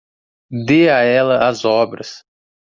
Dê a ela as obras.